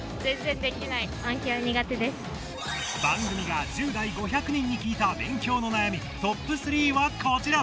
番組が１０代５００人に聞いた勉強の悩み、トップ３はこちら！